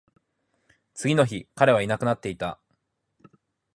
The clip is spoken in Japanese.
次の日、彼はいなくなっていた